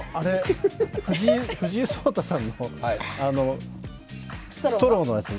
藤井聡太さんのストローのやつ